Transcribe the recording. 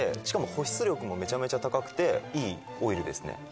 しかも保湿力もめちゃめちゃ高くていいオイルですね。